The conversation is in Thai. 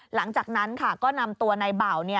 หลังจากนั้นก็นำตัวในเบา